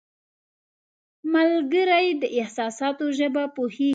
ملګری د احساساتو ژبه پوهیږي